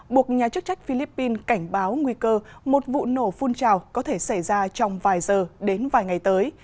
buộc nhà chức trách philippines cảnh báo nguy cơ một vụ nổ phun trào có thể xảy ra trong vài giờ đến vài ngày tới